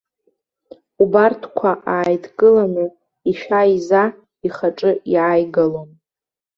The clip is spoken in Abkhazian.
Убарҭқәа ааидкыланы, ишәа-иза ихаҿы иааигалон.